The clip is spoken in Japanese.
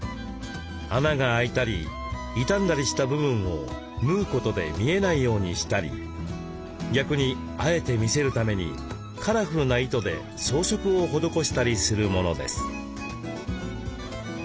穴が開いたり傷んだりした部分を縫うことで見えないようにしたり逆にあえて見せるためにカラフルな糸で装飾を施したりするものです。